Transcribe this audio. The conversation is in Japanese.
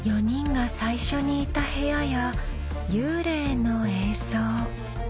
４人が最初にいた部屋や幽霊の映像。